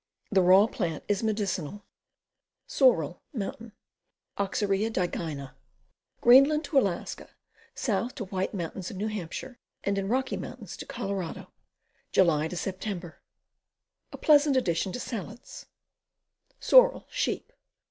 The raw plant is medicinal. Sorrel, Mountain. Oxyria digyna. Greenland to Alas ka, south to White Mts. of N. H. and in Rocky Mts. to Colo. July Sep. A pleasant addition to salads. Sorrel, Sheep.